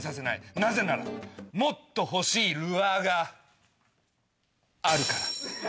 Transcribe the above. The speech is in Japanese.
なぜならもっと欲しいルアーがあるから！